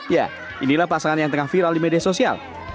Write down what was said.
ya inilah pasangan yang tengah viral di media sosial